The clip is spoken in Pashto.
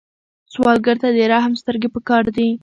سوالګر ته د رحم سترګې پکار دي